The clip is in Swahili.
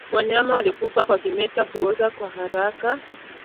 Wanyama waliokufa kwa kimeta huoza kwa haraka